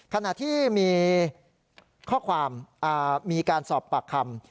ขณะที่มีข้อความมีการสอบปากคำ